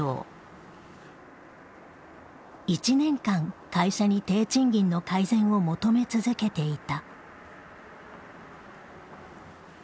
１年間会社に低賃金の改善を求め続けていた。